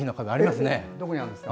どこにあるんですか。